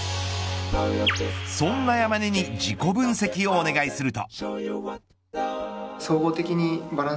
そんな山根に自己分析をお願いすると。